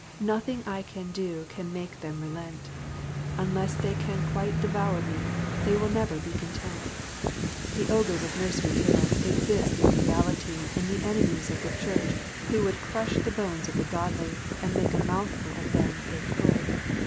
Nothing I can do can make them relent. Unless they can quite devour me they will never be content. The ogres of nursery tales exist in reality in the enemies of the church, who would crush the bones of the godly, and make a mouthful of them if they could.